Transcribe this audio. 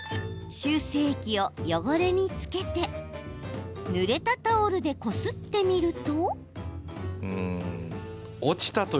修正液を汚れに付けてぬれたタオルでこすってみると。